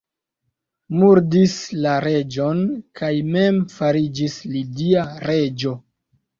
Murdis la reĝon kaj mem fariĝis lidia reĝo.